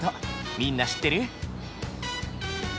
みんな知ってる？